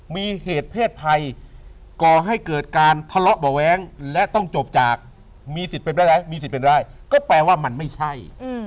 มีเหตุเพศภัยก่อให้เกิดการทะเลาะเบาะแว้งและต้องจบจากมีสิทธิ์เป็นไปได้มีสิทธิ์เป็นได้ก็แปลว่ามันไม่ใช่